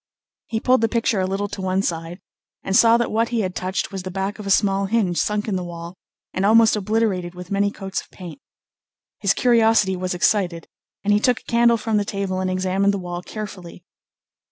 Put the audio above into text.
He pulled the picture a little to one side, and saw that what he had touched was the back of a small hinge sunk in the wall, and almost obliterated with many coats of paint. His curiosity was excited, and he took a candle from the table and examined the wall carefully.